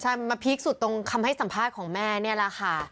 ใช่มันมาพีคสุดตรงคำให้สัมภาษณ์ของแม่นี่แหละค่ะ